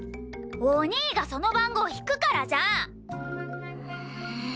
お兄がその番号引くからじゃん！